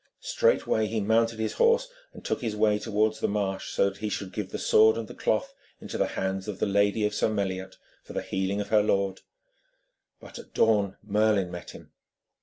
Straightway he mounted his horse, and took his way towards the marsh, so that he should give the sword and the cloth into the hands of the lady of Sir Meliot, for the healing of her lord. But at the dawn Merlin met him.